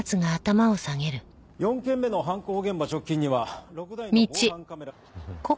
４件目の犯行現場直近には６台の防犯カメラ。